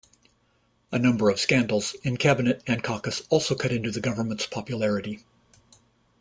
A number of scandals in cabinet and caucus also cut into the government's popularity.